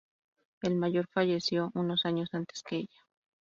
El mayor falleció unos años antes que ella.